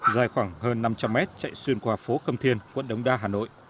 dài khoảng hơn năm trăm linh mét chạy xuyên qua phố cầm thiên quận đống đa hà nội